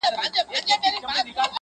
چي زما په لورې بيا د دې نجلۍ قدم راغی_